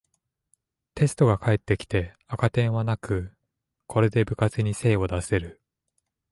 テストが返ってきて赤点はなく、これで部活に精を出せる